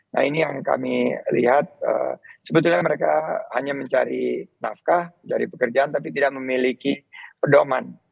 nah ini yang kami lihat sebetulnya mereka hanya mencari nafkah dari pekerjaan tapi tidak memiliki pedoman